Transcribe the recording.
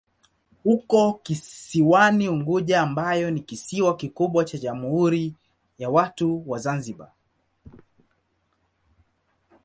Uko kisiwani Unguja ambayo ni kisiwa kikubwa cha Jamhuri ya Watu wa Zanzibar.